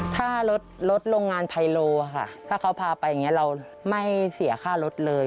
ถ้ารถโรงงานไพโลค่ะถ้าเขาพาไปอย่างนี้เราไม่เสียค่ารถเลย